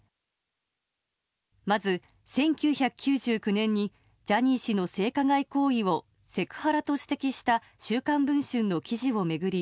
まず、１９９９年にジャニー氏の性加害行為をセクハラと指摘した「週刊文春」の記事を巡り